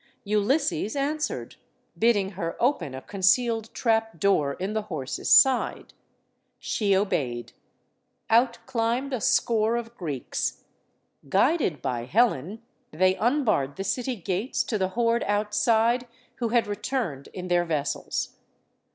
Ulysses answered, bidding her open a con cealed trapdoor in the horse's side. She obeyed. Out climbed a score of Greeks. Guided by Helen, they unbarred the city gates to the horde outside who had returned in their vessels.